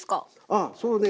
ああそうね。